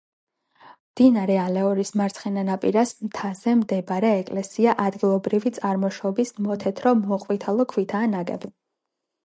მდინარე ალეურის მარცხენა ნაპირას, მთაზე მდებარე ეკლესია ადგილობრივი წარმოშობის მოთეთრო-მოყვითალო ქვითაა ნაგები.